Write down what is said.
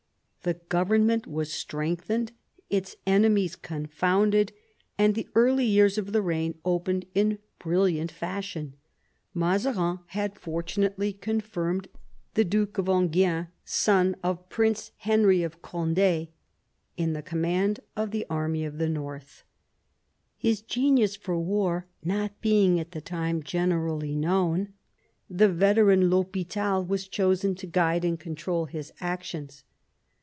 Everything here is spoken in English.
The government was strengthened, its enemies confounded, and the early years of the reign opened in brilliant fashion. Mazarin had fortunately confirmed I THE EARLY YEARS OF MAZARIN'S MINISTRY 7 I the Duke of Enghien, son of Prince Henry of Cond^ in the command of the anny of the North. His genius for war not being at the time generally known, the veteran THdpital was chosen to guide and control his actions.